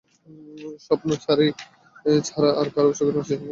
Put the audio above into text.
স্বপ্নচারী ছাড়া আর কারুর চোখের দৃষ্টি এমনটি হতে দেখা যায় না।